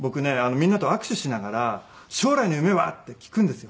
みんなと握手しながら「将来の夢は？」って聞くんですよ。